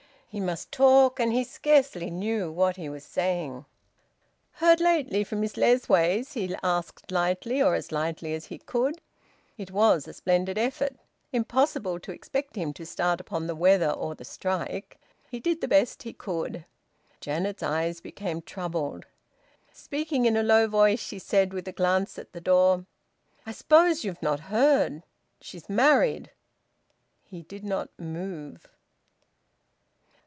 He must talk, and he scarcely knew what he was saying. "Heard lately from Miss Lessways?" he asked lightly, or as lightly as he could. It was a splendid effort. Impossible to expect him to start upon the weather or the strike! He did the best he could. Janet's eyes became troubled. Speaking in a low voice she said, with a glance at the door "I suppose you've not heard. She's married." He did not move.